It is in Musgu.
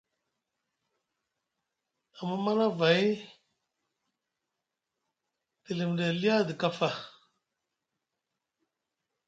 Amma Manavay te limiɗi aliya edi kafa.